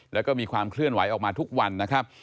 แล้วก็มีความเคลื่อนไหวออกมาทุกวันนะครับ